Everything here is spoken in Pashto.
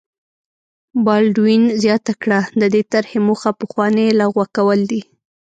بالډوین زیاته کړه د دې طرحې موخه پخوانۍ لغوه کول دي.